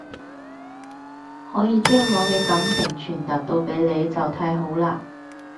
可以將我嘅感情傳達到俾你就太好喇